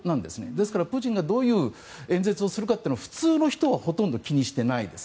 ですから、プーチンがどういう演説をするかっていうのは普通の人はほとんど気にしていないです。